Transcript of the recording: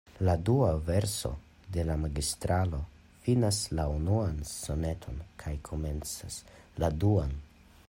La dua verso de la Magistralo finas la unuan soneton kaj komencas la duan.